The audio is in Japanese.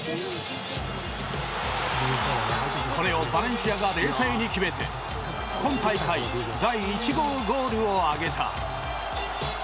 これをバレンシアが冷静に決めて今大会第１号ゴールを挙げた。